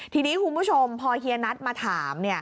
ทีนี้คุณผู้ชมพอเฮียนัทมาถาม